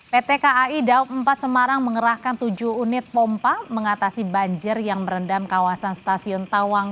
pt kai daob empat semarang mengerahkan tujuh unit pompa mengatasi banjir yang merendam kawasan stasiun tawang